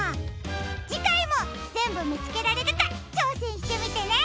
じかいもぜんぶみつけられるかちょうせんしてみてね！